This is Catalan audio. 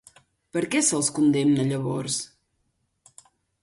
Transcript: Per què se'ls condemna llavors?